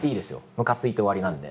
むかついて終わりなんで。